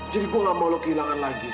jadi gue gak mau lu kehilangan lagi